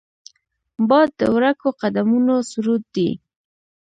باد د ورکو قدمونو سرود دی